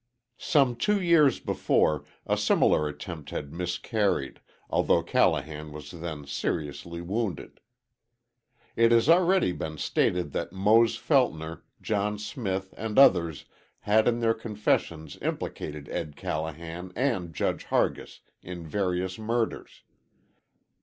Some two years before a similar attempt had miscarried, although Callahan was then seriously wounded. It has already been stated that Mose Feltner, John Smith and others had in their confessions implicated Ed. Callahan and Judge Hargis in various murders.